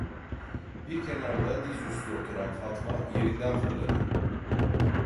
Bir kenarda diz üstü oturan Fatma yerinden fırladı: